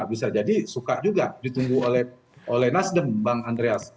bisa jadi suka juga ditunggu oleh nasdem bang andreas